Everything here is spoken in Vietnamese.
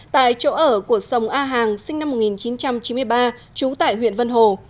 tại chỗ ở của sông a hàng sinh năm một nghìn chín trăm chín mươi ba trú tại huyện vân hồ